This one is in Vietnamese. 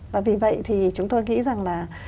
và vì vậy thì chúng tôi nghĩ rằng là